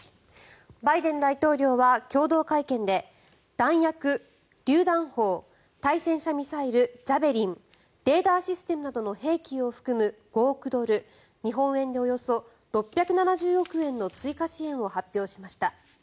バイデン大統領は共同会見で弾薬、りゅう弾砲対戦車ミサイル、ジャベリンレーダーシステムなどの兵器を含む５億ドル日本円で、およそ６７０億円の追加支援を発表しました。